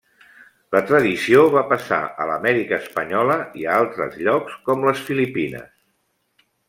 La tradició va passar a l'Amèrica espanyola i a altres llocs com les Filipines.